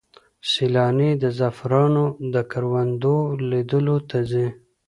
سیلانۍ د زعفرانو د کروندو لیدلو ته ځي.